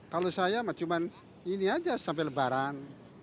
kalau saya cuma ini aja sampai lebaran